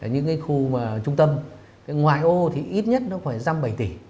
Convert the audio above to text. những khu trung tâm ngoài ô thì ít nhất nó phải dăm bảy tỷ